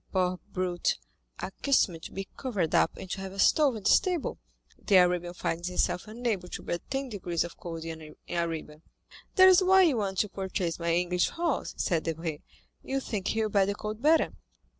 Poor brute—accustomed to be covered up and to have a stove in the stable, the Arabian finds himself unable to bear ten degrees of cold in Arabia." "That's why you want to purchase my English horse," said Debray, "you think he will bear the cold better."